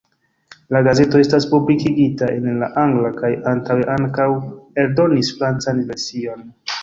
La gazeto estas publikigita en la angla kaj antaŭe ankaŭ eldonis francan version.